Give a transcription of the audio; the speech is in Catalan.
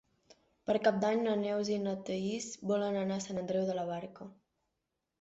Per Cap d'Any na Neus i na Thaís volen anar a Sant Andreu de la Barca.